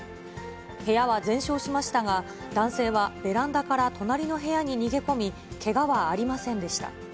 部屋は全焼しましたが、男性はベランダから隣の部屋に逃げ込み、けがはありませんでした。